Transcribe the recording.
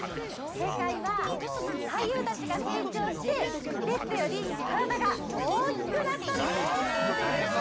正解は「俳優たちが成長して、ベッドより体が大きくなった」です！